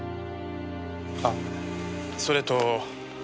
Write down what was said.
あっそれと。